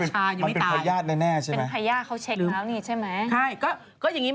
อเพลินละอมันเป็นพาย่าได้แน่ใช่ไหม